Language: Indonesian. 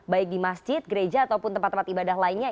baik di masjid gereja ataupun tempat tempat ibadah lainnya